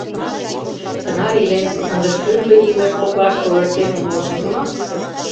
Тынар илен, ынде тӱрлӧ илыш коклаште ойыртемым от уж мо?